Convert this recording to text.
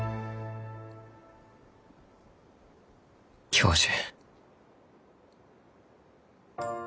教授。